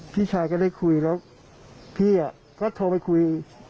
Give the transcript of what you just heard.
พี่ชายก็ได้คุยแล้วพี่ก็โทรไปคุย